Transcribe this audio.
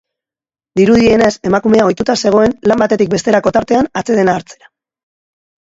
Dirudienez, emakumea ohituta zegoen lan batetik besterako tartean atsedena hartzera.